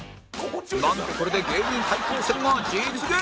なんとこれで芸人対抗戦が実現！